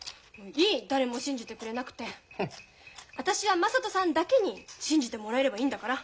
私は雅人さんだけに信じてもらえればいいんだから。